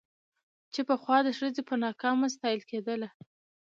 چې پخوا د ښځې په نامه ستايله کېدله